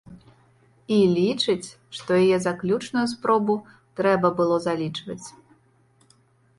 І лічыць, што яе заключную спробу трэба было залічваць.